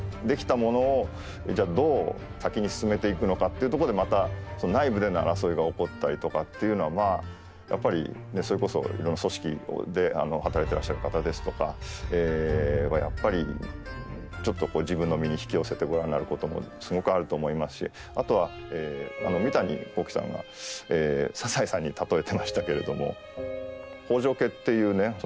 できたものを、じゃあ、どう先に進めていくのかっていうところでまた内部での争いが起こったりとかっていうのはやっぱりそれこそいろんな組織で働いてらっしゃる方ですとかやっぱりちょっと自分の身に引き寄せてご覧になることもすごくあると思いますしあとは三谷幸喜さんは「サザエさん」に例えてましたけれども北条家っていうね